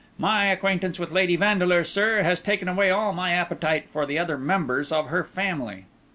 My acquaintance with Lady Vandeleur, sir, has taken away all my appetite for the other members of her family."